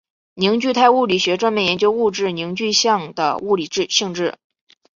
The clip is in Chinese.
凝聚态物理学专门研究物质凝聚相的物理性质。